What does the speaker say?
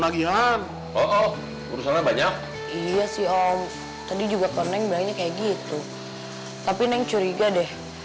nagihan oh urusan banyak iya sih om tadi juga keren banyak kayak gitu tapi neng curiga deh